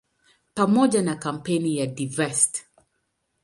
Pamoja na kampeni ya "Divest!